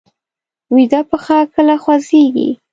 ویده پښه کله خوځېږي